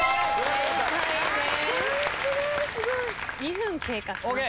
正解です。